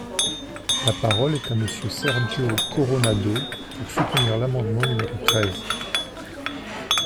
La parole est à Monsieur Sergio Coronado, pour soutenir l’amendement numéro treize.